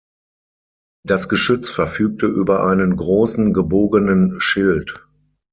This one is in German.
Das Geschütz verfügte über einen großen gebogenen Schild.